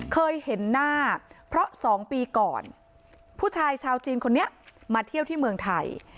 เคยเห็นหน้าเพราะ๒ปีก่อนผู้ชายชาวจีนคนนี้มาเที่ยวที่เมืองไทย